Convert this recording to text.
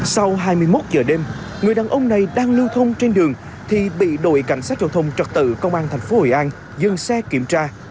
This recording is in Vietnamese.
sau hai mươi một giờ đêm người đàn ông này đang lưu thông trên đường thì bị đội cảnh sát giao thông trật tự công an tp hội an dừng xe kiểm tra